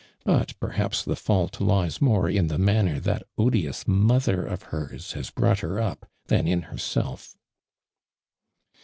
But perhaps the fault lies more in the nmnner that odious mo ther of heis has brought her up than in her self."